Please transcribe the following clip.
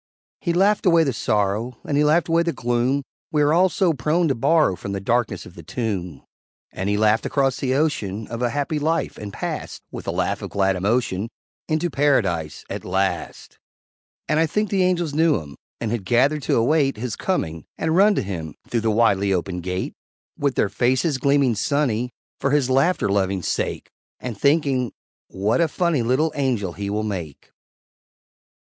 He laughed away the sorrow, And he laughed away the gloom We are all so prone to borrow From the darkness of the tomb; And he laughed across the ocean Of a happy life, and passed, With a laugh of glad emotion, Into Paradise at last. And I think the Angels knew him, And had gathered to await His coming, and run to him Through the widely opened Gate With their faces gleaming sunny For his laughter loving sake, And thinking, "What a funny Little Angel he will make!"